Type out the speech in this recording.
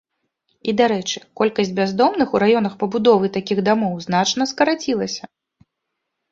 І, дарэчы, колькасць бяздомных у раёнах пабудовы такіх дамоў значна скарацілася.